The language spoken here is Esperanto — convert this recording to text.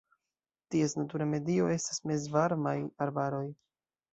Ties natura medio estas mezvarmaj arbaroj.